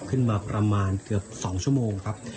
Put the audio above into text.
ขึ้นมาประมาณเกือบ๒ชั่วโมงครับ